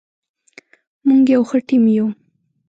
موږ یو ښه ټیم یو.